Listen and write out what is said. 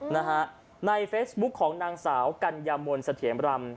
นะฮะในเฟซบุ๊คของนางสาวกัญญามนเสถียรำ